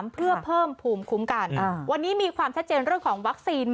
เพื่อเพิ่มภูมิคุ้มกันวันนี้มีความชัดเจนเรื่องของวัคซีน